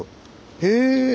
へえ